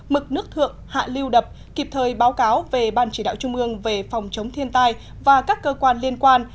mực nước thượng hạ lưu đập kịp thời báo cáo về ban chỉ đạo trung ương về phòng chống thiên tai và các cơ quan liên quan